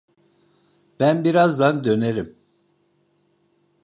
Ben birazdan dönerim.